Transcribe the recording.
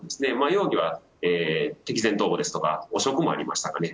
容疑は敵前逃亡ですとか汚職もありましたかね。